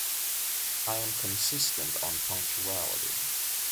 I am consistent on punctuality.